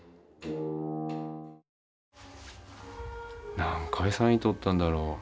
何回３位とったんだろう。